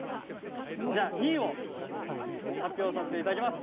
じゃあ２位を発表させて頂きます。